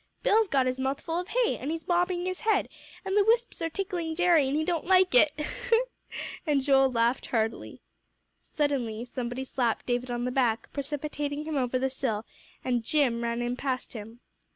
Bill's got his mouth full of hay, an' he's bobbing his head, and the wisps are tickling Jerry, an' he don't like it," and Joel laughed heartily. Suddenly somebody slapped David on the back, precipitating him over the sill, and "Jim" ran in past him.